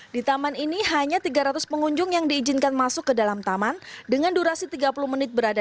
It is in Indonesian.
di taman ini hanya tiga ratus pengunjung yang diizinkan masuk ke dalam taman dengan durasi tiga puluh menit berada